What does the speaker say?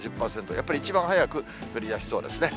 やっぱり一番早く降りだしそうですね。